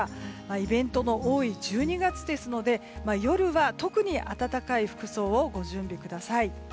イベントの多い１２月ですので夜は特に温かい服装をご準備ください。